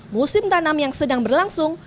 musim tanam yang sedang berlangsung